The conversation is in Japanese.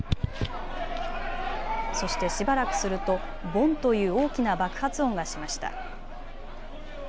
そして、しばらくするとボンという大きな爆発音がしました。